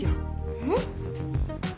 えっ？